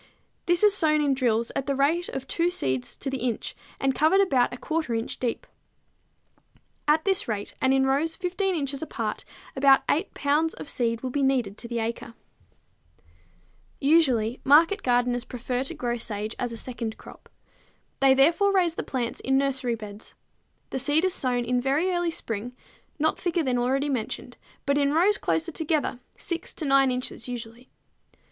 This is sown in drills at the rate of two seeds to the inch and covered about 1/4 inch deep. At this rate and in rows 15 inches apart about 8 pounds of seed will be needed to the acre. [Illustration: Sage, the Leading Herb for Duck and Goose Dressing] Usually market gardeners prefer to grow sage as a second crop. They therefore raise the plants in nursery beds. The seed is sown in very early spring, not thicker than already mentioned, but in rows closer together, 6 to 9 inches usually.